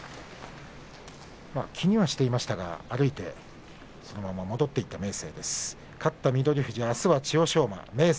気にはしていましたが歩いてそのまま戻っていった明生です。